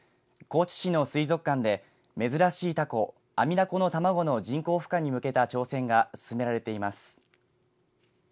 高知市の水族館で珍しいタコ、アミダコの卵の人工ふ化に向けた挑戦が進められています。